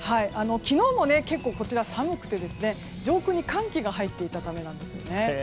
昨日も結構こちらは寒くて上空に寒気が入っていたためなんですね。